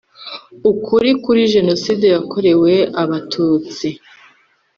Ukuri kuri jenoside yakorewe abatutsi